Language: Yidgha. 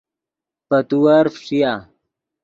پے تیور فݯیا